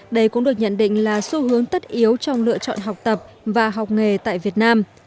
đây cũng được nhận định là xu hướng tất yếu trong lựa chọn học tập và học nghề tại việt nam